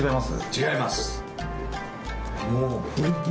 違います。